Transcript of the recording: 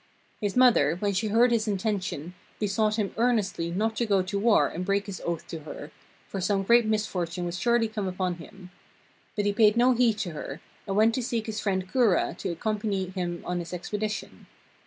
His mother, when she heard his intention, besought him earnestly not to go to war and break his oath to her, for some great misfortune would surely come upon him. But he paid no heed to her, and went to seek his friend Kura to accompany him on his expedition.